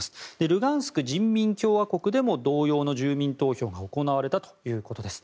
ルガンスク人民共和国でも同様の住民投票が行われたということです。